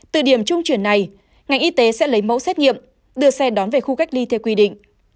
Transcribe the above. từ điểm trung chuyển này ngành y tế sẽ lấy mẫu xét nghiệm đưa xe đón về khu cách ly theo quy định